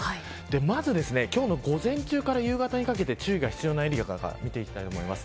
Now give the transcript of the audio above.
まず、今日の午前中から夕方にかけて注意が必要なエリアから見ていきたいと思います。